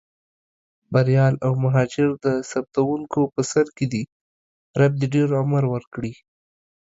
بریال او مهاجر د ثبتوونکو په سر کې دي، رب دې ډېر عمر ورکړي.